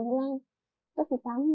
aku dulu pernah tahu gitu kan ke mamaku